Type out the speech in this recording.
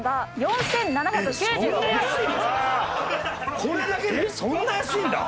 これだけでそんな安いんだ！